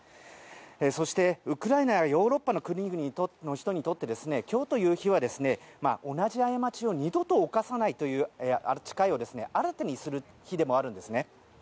そして、ウクライナやヨーロッパの国々の人にとって今日という日は同じ過ちを二度と侵さないという誓いを新たにする日でもあるんですね。